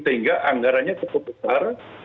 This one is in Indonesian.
sehingga anggarannya cukup besar